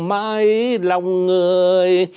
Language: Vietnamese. mãi lòng người